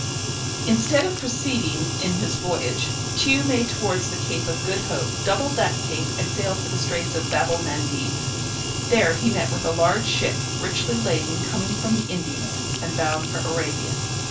Instead of proceeding in his voyage, Tew made towards the Cape of Good Hope, doubled that cape, and sailed for the straits of Babel Mandeb. There he met with a large ship richly laden coming from the Indies, and bound for Arabia.